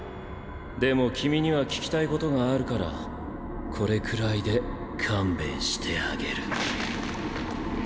でも君には聞きたいことがあるからこれくらいで勘弁してあげる。